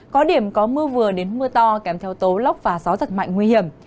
có điểm có mưa vừa đến mưa to kèm theo tố lóc và gió rất mạnh nguy hiểm